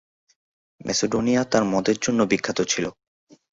Macedonia তার মদের জন্য বিখ্যাত ছিলো।